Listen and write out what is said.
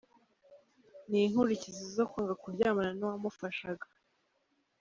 Ni inkurikizi zo kwanga kuryamana n’uwamufashaga.